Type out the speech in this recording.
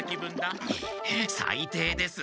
最低です。